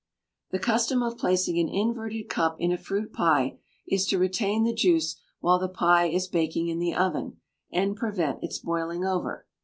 The custom of placing an inverted cup in a fruit pie, is to retain the juice while the pie is baking in the oven, and prevent its boiling over.